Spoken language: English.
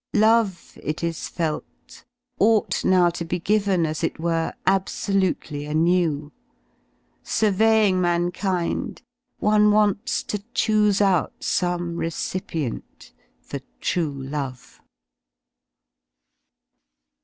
Love, it is felt, ought now to be given, as it were, absolutely anew. Surveying mankind one wants to choose \out some recipient for true love.